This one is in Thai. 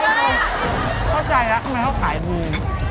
เข้าใจแล้วทำไมเขาขายดี